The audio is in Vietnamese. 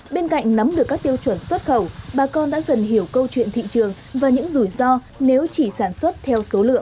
bên cạnh nắm được các tiêu chuẩn xuất khẩu bà con đã dần hiểu câu chuyện thị trường và những rủi ro nếu chỉ sản xuất theo số lượng